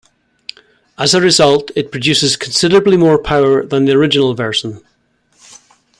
As a result, it produces considerably more power than the original version.